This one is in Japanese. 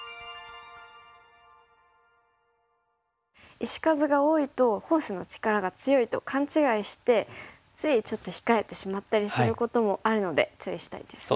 石数が多いとフォースの力が強いと勘違いしてついちょっと控えてしまったりすることもあるので注意したいですね。